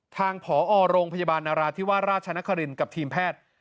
ทางผอโรงพยาบาลนราธิวาสราชนครินกับทีมแพทย์